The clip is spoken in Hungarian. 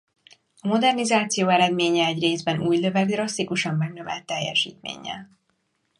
A modernizáció eredménye egy részben új löveg drasztikusan megnövelt teljesítménnyel.